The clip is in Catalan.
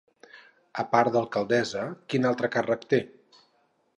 A part d'alcaldessa, quin altre càrrec té?